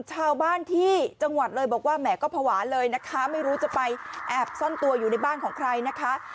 ชาวบ้านที่จังหวัดเลยบอกว่าแหมก็ภาวะเลยนะคะไม่รู้จะไปแอบซ่อนตัวอยู่ในบ้านของใครนะคะ